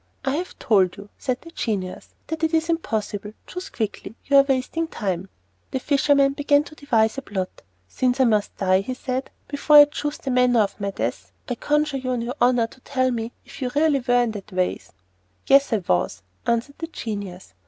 "I have told you," said the genius, "that it is impossible. Choose quickly; you are wasting time." The fisherman began to devise a plot. "Since I must die," he said, "before I choose the manner of my death, I conjure you on your honour to tell me if you really were in that vase?" "Yes, I was," answered the genius.